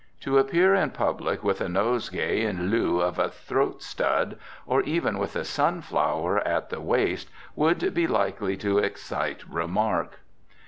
To appear in public with a nosegay in lieu of a throat stud, or even with a sunflower at the waist, would be likely to excite remark.